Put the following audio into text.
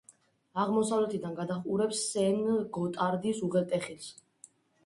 აღმოსავლეთიდან გადაჰყურებს სენ-გოტარდის უღელტეხილს.